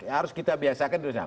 harus kita biasakan